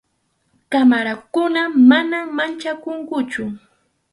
qamarakuna, manam manchakunkuchu.